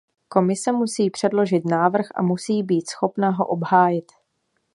Komise musí předložit návrh a musí být schopna ho obhájit.